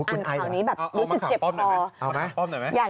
อันนี้แบบรู้สึกเจ็บพอเอามาขำป้อมหน่อยไหม